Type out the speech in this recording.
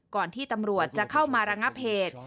ก่อนที่ตำรวจจะเข้ามาระงับเหตุ